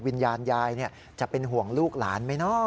วิญญาณยายจะเป็นห่วงลูกหลานไหมเนาะ